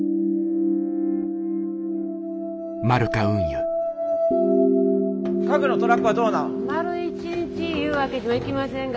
家具のトラックはどうなん？